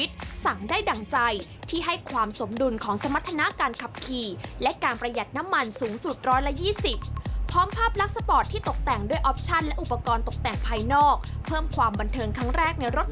ติดตามเรื่องนี้กันค่ะ